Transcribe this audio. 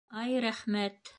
Ай, рәхмәт!